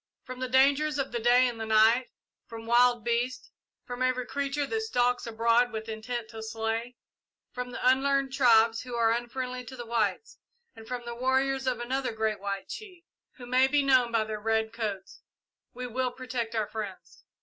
From the dangers of the day and the night, from wild beasts, from every creature that stalks abroad with intent to slay; from the unlearned tribes who are unfriendly to the whites, and from the warriors of another White Chief, who may be known by their red coats, we will protect our friends.